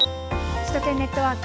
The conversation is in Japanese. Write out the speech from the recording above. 首都圏ネットワーク。